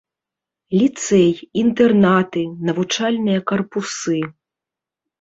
Ліцэй, інтэрнаты, навучальныя карпусы.